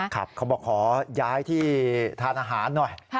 เขาบอกขอย้ายที่ทานอาหารหน่อย